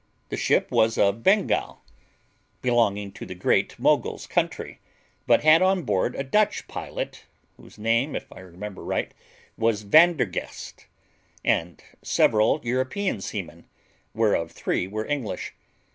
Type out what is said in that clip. The ship was of Bengal, belonging to the Great Mogul's country, but had on board a Dutch pilot, whose name, if I remember right, was Vandergest, and several European seamen, whereof three were English.